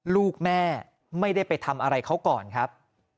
ลูกแม่ไม่ได้ไปทำอะไรเขาก่อนครับ